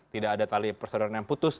tidak ada tali persaudaraan yang putus